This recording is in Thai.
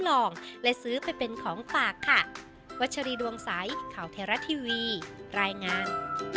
ลองและซื้อไปเป็นของฝากค่ะวัชรีดวงใสข่าวเทราะทีวีรายงาน